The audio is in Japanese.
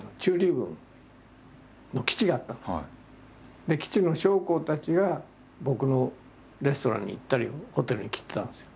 当時基地の将校たちが僕のレストランに行ったりホテルに来てたんですよ。